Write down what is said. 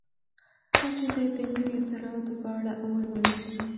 تاسي باید د نویو اختراعاتو په اړه ولولئ.